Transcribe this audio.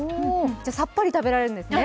さっぱり食べられるんですね。